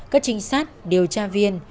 các trinh sát điều tra viên